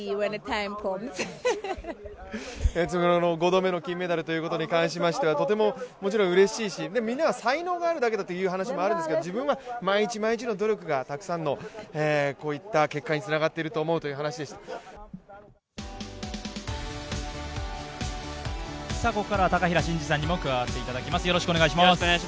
５度目の金メダルということに関しましてはとてももちろんうれしいし、みんなは才能があると言いましたけど自分は毎日毎日の努力がたくさんの結果につながっているここからは高平慎士さんにも加わっていただきます。